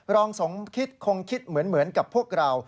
รองสมคิดคงคิดเหมือนกับพวกเรา